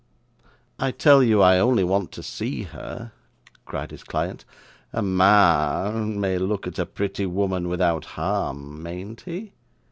'I tell you I only want to see her,' cried his client. 'A ma an may look at a pretty woman without harm, mayn't he?